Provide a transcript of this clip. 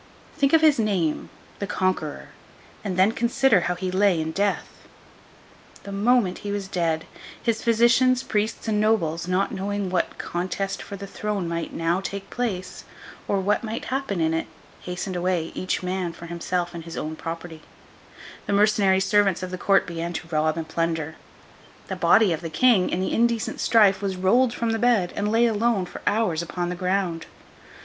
Think of his name, The Conqueror, and then consider how he lay in death! The moment he was dead, his physicians, priests, and nobles, not knowing what contest for the throne might now take place, or what might happen in it, hastened away, each man for himself and his own property; the mercenary servants of the court began to rob and plunder; the body of the King, in the indecent strife, was rolled from the bed, and lay alone, for hours, upon the ground.